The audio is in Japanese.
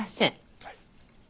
はい。